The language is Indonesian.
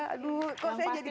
aduh kok saya jadi